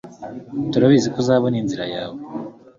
turabizi ko uzabona inzira yawe